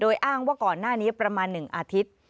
อ้างว่าก่อนหน้านี้ประมาณ๑อาทิตย์